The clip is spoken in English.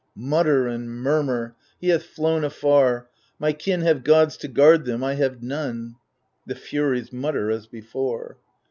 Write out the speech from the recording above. Mutter and murmur 1 He hath flown afar — My kin have gods to guard them, I have none ![ The Furies mutter as before.